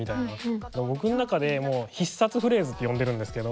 僕の中で「必殺フレーズ」って呼んでるんですけど。